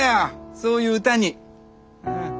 そういう歌に。